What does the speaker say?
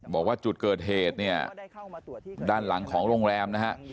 บอกว่าจุดเกิดเหตุเนี่ยด้านหลังของโรงแรมนะฮะ